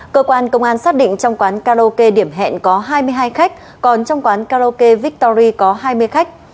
cơ quan công an xác định trong quán karaoke điểm hẹn có hai mươi hai khách còn trong quán karaoke victory có hai mươi khách